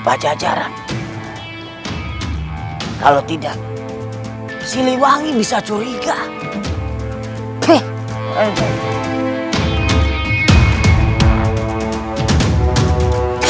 pacaran kalau tidak siliwangi bisa curiga hai kek